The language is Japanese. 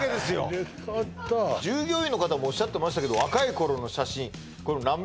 なるほど従業員の方もおっしゃってましたけど若いころの写真